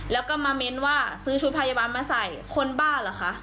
แล้วก็มาเม้นว่าซื้อชุดพยาบาลมาใส่คนบ้าเหรอคะ